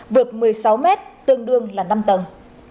vượt một mươi sáu mét tương đương là năm tầng